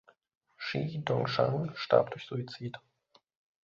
Shi Dongshan starb durch Suizid.